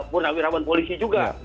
penawirawan polisi juga